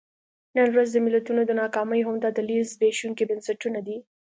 نن ورځ د ملتونو د ناکامۍ عمده دلیل زبېښونکي بنسټونه دي.